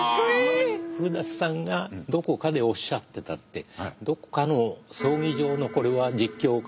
古さんがどこかでおっしゃってたってどこかの葬儀場のこれは実況か？